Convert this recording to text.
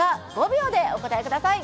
５秒でお答えください。